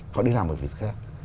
họ đi làm một việc khác